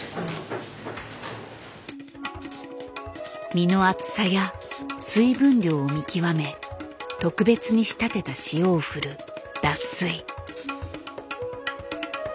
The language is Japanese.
身の厚さや水分量を見極め特別に仕立てた塩を振る「脱水」。